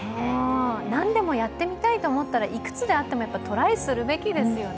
なんでもやってみたいと思ったらいくつであっても、トライするべきですよね。